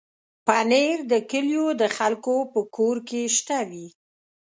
پنېر د کلیو د خلکو په کور کې شته وي.